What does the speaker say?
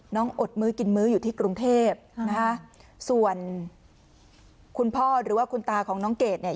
อดมื้อกินมื้ออยู่ที่กรุงเทพนะฮะส่วนคุณพ่อหรือว่าคุณตาของน้องเกดเนี่ย